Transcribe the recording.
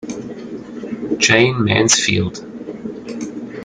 Jane Mansfield